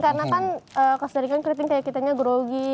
karena kan kesudahnya kan keriting kayak kitanya grogi